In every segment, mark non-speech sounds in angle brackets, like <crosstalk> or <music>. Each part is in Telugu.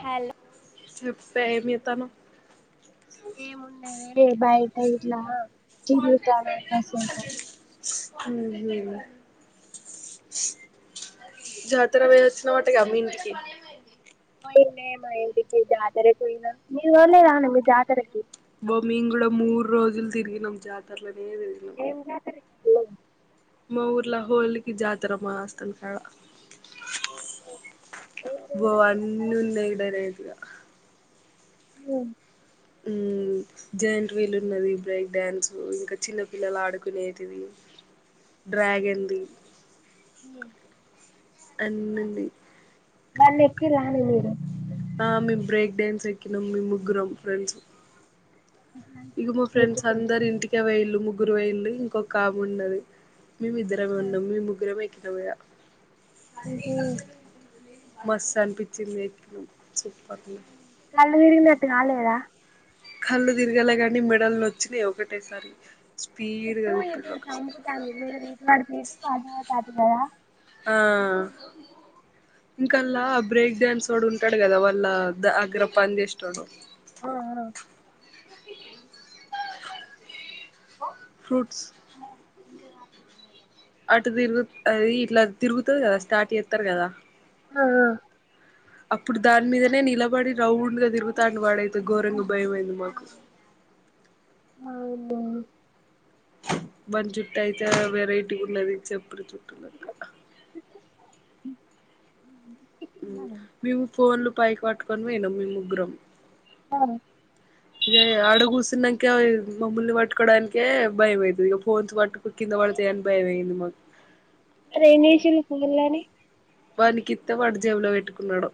హెల్ సృప్స్ ఏముండేది ఏ బయట ఇట్లా తిరుగుతానాన్ కాసేపు ఊహూ జాతర పొయ్యొచ్చినావట గా మీ ఇంటికి పొయినే మా ఇంటికి జాతరకి పొయినా మీరు పోలేదాని మీ జాతరకి బో మీన్ కూడా మూడు రోజులు తిరిగినం జాతరల ఏం జాతరి మా ఊర్లో హోళ్ళుకి జాతర మా ఆస్తల్ కాడ ఏం బో జరుగుతది అక్కడ అన్నున్నయ్ ఈడ రేతుగా <unintelligible> ఉమ్మ్ జెయింట్ వీలున్నది బ్రేక్ డాన్సు ఇంక చిన్న పిల్లలు ఆడుకునేటివి డ్రాగన్ ది <unintelligible> అన్నున్ని మళ్ళి ఎక్కిర్రా అది మీరు ఆ మేము బ్రేక్ డ్యాన్స్ ఎక్కినాం మీం ముగ్గురం ఫ్రెండ్స్ ఇగ మా ఫ్రెండ్స్ ఎక్కితే అందరు ఇంటిక వేలు ముగ్గు వేల్లు ఇంకొక ఆమె ఉన్నది మేమి ఇద్దరమే ఉన్నాం మీ ముగ్గురమే ఇవయా అది ఎకా అయిపొయింది మస్త్ అనిపించింది సూపర్ నళ విరుగి నట్టి కాలేదా కళ్ళు తిరగలే కానీ మెడల్లు నచ్చినాయి ఒకటేసారి స్పీడ్గా ఇటు ఇటు తిప్పిండు ఒకసారి సంపుతాంది <unintelligible> యా ఆ ఇంకల్లా బ్రేక్ డాన్స్ చోడు ఉంటాడు కదా వాళ్ళ దగ్గర పని చేసేటోడు ఆ అ ఫ్రూట్స్ అటు తిరుగు అది ఇట్లా తిరుగుతది కదా స్టార్ట్ చేత్తరు కదా ఆ అప్పుడు దాని మీదనే నిలబడి రౌండ్గా తిరుగుతాండు వాడైతే ఘోరంగా భయమైంది మాకు వాని జుట్టు అయితే వెరైటీగ ఉన్నది చెప్పుడు చు అదక్క మేము ఫోన్లు పైకి ట్ పట్టుకొని పోయినం మేము ముగ్గురం ఆ ఇక ఆడగుసినంక మమ్మూల్ పట్టుకోడానికే భయంమైతది ఇ ఫోన్స్ పట్టుకొని కింద పడతాయని భయమైంది మాక్ అసలు ఏం చేసిరు ఫోన్లని వానికిత్త వాడు జేబులో పెట్టుకున్నాడు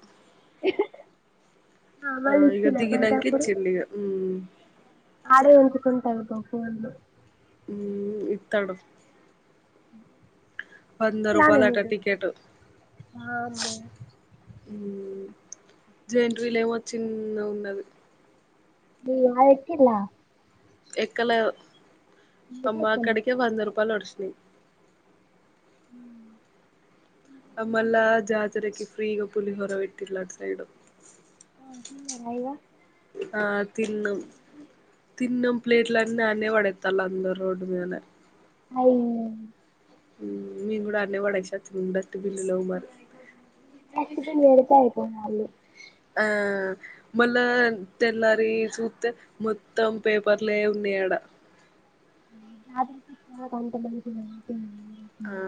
ఆ సామాన్లు ఇగ ఇచ్చిన దిగినంక పోయేటప్పుడు ఇచ్చిండు ఇగ ఉ ఆడే ఉంచుకుంటాయి ఫూలు ఉమ్ ఇతడు ఇలానే అట మీరు టికెట్ వామ్మో ఉమ్ జనరీలో ఏమో చిన్నగా ఉన్నది యల్ వచ్చిలా ఎక్కలా అందుకే అమ్మా ఎక్కలే కడకే అందరు పలుఒడిసినై హ అమ్మల్ల జాతరకి ఫ్రీగా పులిహొర పెట్టిరు అటు సైడు ఆ ఇన్నయిగా ఆ తిన్నం తిన్నం ప్లేట్ల అన్నీ అడనే పడే తలంద రోడ్ మీదనే అయినా మీ కూడా అనే వడచ్చ ఉండ బిల్లలో మరి క పళ ఏడుతేయిపో మళ్ళీ ఆ మళ్ళా తెల్లారి చూస్తే మొత్తం పేపర్లే ఉన్నాయాడ అంత మ <inaudible> ఆ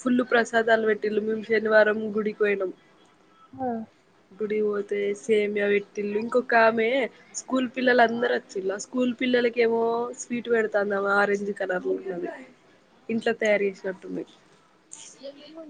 ఫుల్ ప్రసాదాలు పెట్టిళ్ళు మేము శనివారం గుడికి పోయినాం ఆ డి పోతే సేమియా వెట్టిల్లు ఇంకొక ఆమె స్కూల్ పిల్లల అందరు వచ్చిలా స్కూల్ పిల్లలక ఏమో స్వీట్ పెడతాందమా ఆరెంజ్ కలర్ ఇంట్లో తయారు చేసినట్టున్నాయి ఇంట్లో